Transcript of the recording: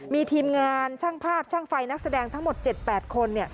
มีทีมงานช่างภาพช่างไฟนักแสดงทั้งหมด๗๘คน